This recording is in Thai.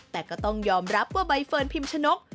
แต่ก็ต้องยอมรับว่าใบเฟิร์นพิมชนก